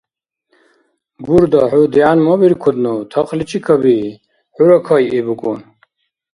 Гурда, хӀу дигӀянмабиркудну, тахличи кабии. ХӀура кайи, букӀун.